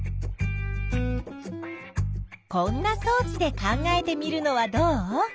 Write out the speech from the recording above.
こんなそう置で考えてみるのはどう？